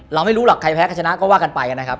เราไม่รู้หรอกใครแพ้ใครชนะก็ว่ากันไปนะครับ